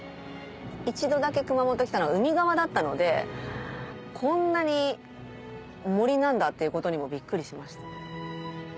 一度だけ熊本来たのが海側だったのでこんなに森なんだっていうことにもびっくりしました。